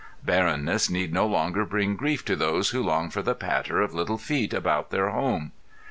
Barrenness need no longer bring grief to those who long for the patter of little feet about their home.